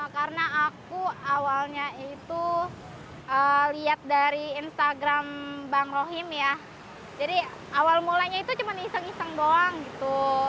karena aku awalnya itu lihat dari instagram bang rohim ya jadi awal mulanya itu cuma iseng iseng doang gitu